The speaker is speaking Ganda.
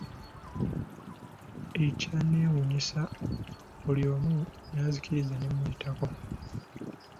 Ekyanneewuunyisa, buli omu, yanzikiriza ne muyitako!